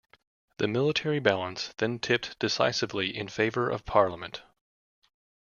The military balance then tipped decisively in favour of Parliament.